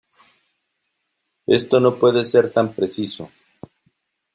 esto no puede ser tan preciso.